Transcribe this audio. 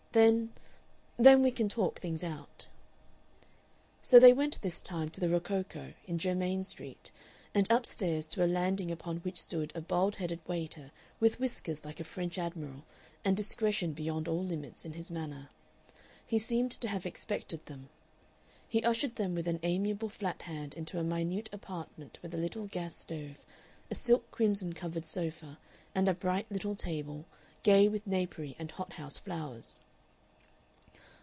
"Then then we can talk things out." So they went this time to the Rococo, in Germain Street, and up stairs to a landing upon which stood a bald headed waiter with whiskers like a French admiral and discretion beyond all limits in his manner. He seemed to have expected them. He ushered them with an amiable flat hand into a minute apartment with a little gas stove, a silk crimson covered sofa, and a bright little table, gay with napery and hot house flowers.